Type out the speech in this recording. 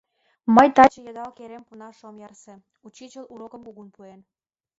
Мый таче йыдал керем пунаш ом ярсе: учичыл урокым кугун пуэн.